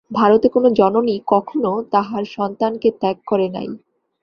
ভারতে কোন জননী কখনও তাহার সন্তানকে ত্যাগ করে নাই।